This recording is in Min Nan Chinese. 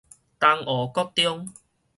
東湖國中